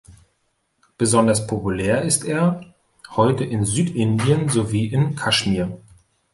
Besonders populär ist er heute in Südindien sowie in Kaschmir.